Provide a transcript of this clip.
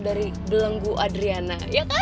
dari belenggu adriana